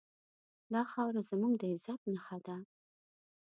دا خاوره زموږ د عزت نښه ده.